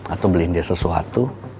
atau beliin dia sesuatu